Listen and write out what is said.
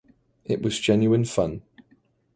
It was genuine fun.